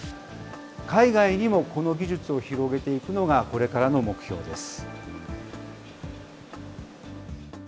海外にもこの技術を広げていくのがこれからの目標です。